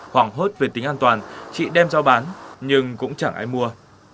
hoảng hốt về tính an toàn chị đem giao bán nhưng cũng chẳng ai mua